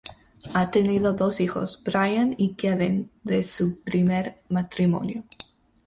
Ha tenido dos hijos, Brian y Kevin de su primer matrimonio.